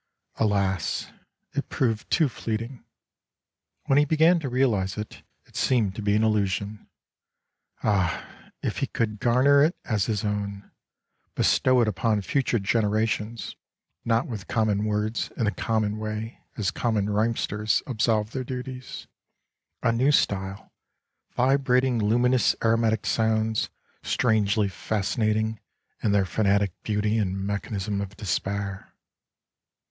Alas, it proved too fleeting. When he began to realize it,, it seemed to be an illusion. Ah, if he could garner it as his own, bestow it upon future generations, not with com mon words in the common way as common rliymsters absolve their duties. A new style! Vibrating luminous aromatic sounds, strangely fascinating in their fanatic beauty and mechanism of despair.